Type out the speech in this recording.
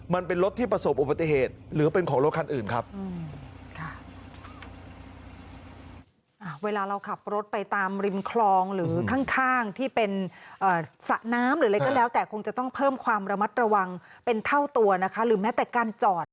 มันเป็นรถที่ประสบอุบัติเหตุหรือเป็นของรถคันอื่นครับ